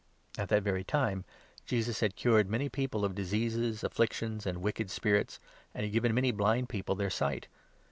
' At that very time Jesus had cured many people of diseases, 21 afflictions, and wicked spirits, and had given many blind people their sight.